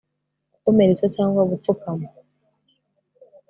gukomeretsa cyangwa gupfukama